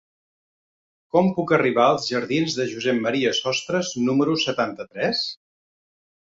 Com puc arribar als jardins de Josep M. Sostres número setanta-tres?